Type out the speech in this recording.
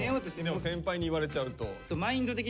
でも先輩に言われちゃうと。